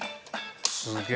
すげえ。